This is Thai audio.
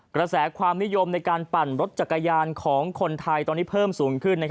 กระแสความนิยมในการปั่นรถจักรยานของคนไทยตอนนี้เพิ่มสูงขึ้น